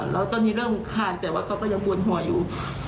แล้วตอนนี้เริ่มคานแต่ว่าเขาก็ยังปวดหัวอยู่